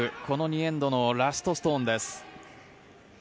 この２エンドのラストストーンです。